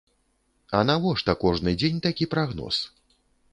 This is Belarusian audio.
А навошта кожны дзень такі прагноз?